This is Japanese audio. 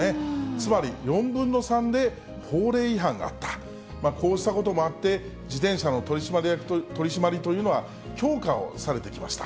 つまり４分の３で、法令違反があった、こうしたこともあって、自転車の取締りというのは強化をされてきました。